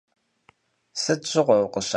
Sıt şığue vukhışalhxuar?